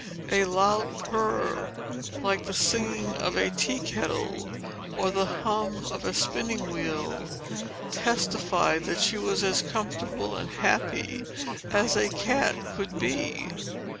A loud purr, like the singing of a tea kettle, or the hum of a spinning wheel, testified that she was as comfortable and happy as a cat could be.